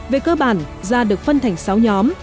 về cơ bản da được phân thành sáu nhóm